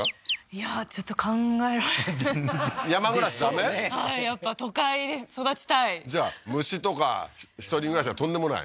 いやちょっと考えられない山暮らしはねはいやっぱ都会で育ちたいじゃあ虫とか１人暮らしはとんでもない？